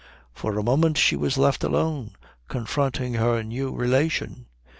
For a moment she was left alone confronting her new relation.